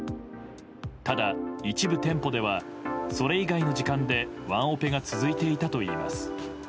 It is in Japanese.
ただ、一部店舗ではそれ以外の時間でワンオペが続いていたといいます。